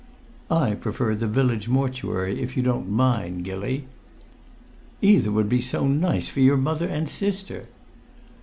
"I prefer the Village mortuary, if you don't mind, Gilly." "Either would be so nice for your mother and sister!"